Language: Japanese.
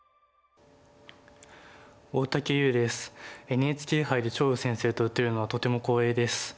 ＮＨＫ杯で張栩先生と打てるのはとても光栄です。